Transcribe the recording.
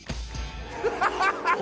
「ハハハハ！」